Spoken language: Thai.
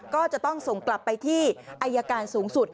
ก็จะต้องส่งกลับไปที่อายการสูงสุด